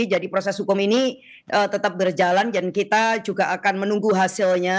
jadi proses hukum ini tetap berjalan dan kita juga akan menunggu hasilnya